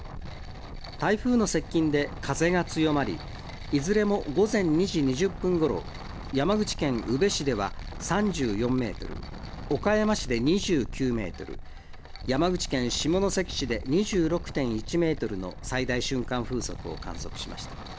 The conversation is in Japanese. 台風の接近で風が強まり、いずれも午前２時２０分ごろ、山口県宇部市では、３４メートル、岡山市で２９メートル、山口県下関市で２６．１メートルの最大瞬間風速を観測しました。